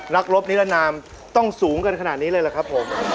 รบนิรนามต้องสูงกันขนาดนี้เลยล่ะครับผม